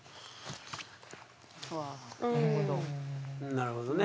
なるほどね。